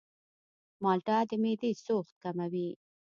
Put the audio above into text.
مالټه د معدې سوخت کموي.